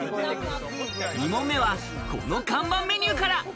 ２問目はこの看板メニューから。